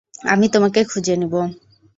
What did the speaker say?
আমি তোমাকে খুঁজে নিব।